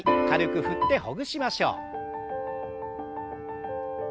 軽く振ってほぐしましょう。